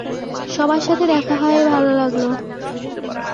সবার সাথে দেখা হয়ে ভালো লাগল!